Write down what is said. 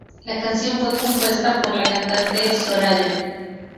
La canción fue compuesta por la cantante Soraya.